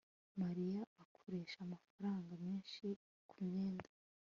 maria akoresha amafaranga menshi kumyenda